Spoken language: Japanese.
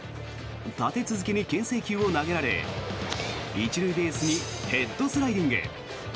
立て続けに、けん制球を投げられ１塁ベースにヘッドスライディング。